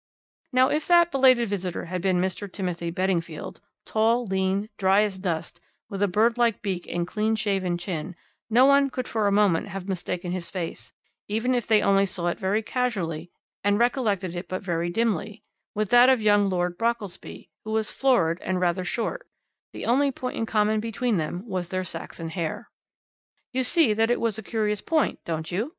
"Now, if that belated visitor had been Mr. Timothy Beddingfield tall, lean, dry as dust, with a bird like beak and clean shaven chin no one could for a moment have mistaken his face even if they only saw it very casually and recollected it but very dimly with that of young Lord Brockelsby, who was florid and rather short the only point in common between them was their Saxon hair. "You see that it was a curious point, don't you?"